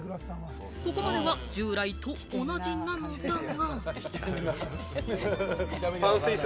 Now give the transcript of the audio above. ここまでは従来と同じなのだが。